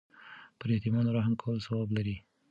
پر یتیمانو رحم کول ثواب لري.